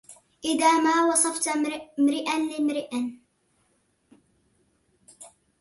إذا ما وصفت امرءا لامرىء